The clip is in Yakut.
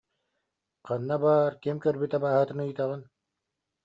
Ханна баар, ким көрбүт абааһытын ыйытаҕын